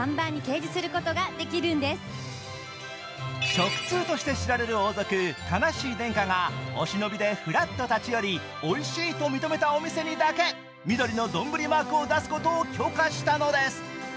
食通として知られる王族タナッシー殿下が、お忍びでフラッと立ち寄り、おいしいと認めたお店にだけみどりの丼マークを出すことを許可したのです。